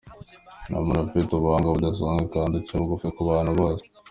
Ni umuntu ufite ubuhanga budasanzwe kandi uca bugufi ku bantu bose.